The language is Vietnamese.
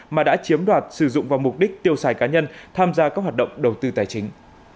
mà đã chiếm đoạt sử dụng vào mục đích tiêu xài cá nhân tham gia các hoạt động đầu tư tài chính